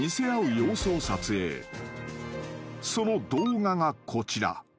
［その動画がこちら］